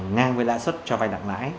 ngang với lãi sức cho vai đặc lãi